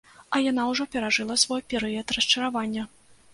А яна ўжо перажыла свой перыяд расчаравання.